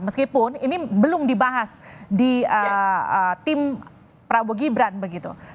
meskipun ini belum dibahas di tim prabowo gibran begitu